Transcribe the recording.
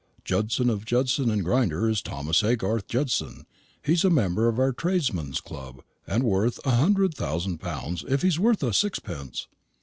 "Judson of Judson and Grinder is Thomas Haygarth Judson. He's a member of our tradesman's club, and worth a hundred thousand pounds, if he's worth a sixpence."